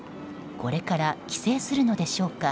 これから帰省するのでしょうか。